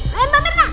eh mbak mirna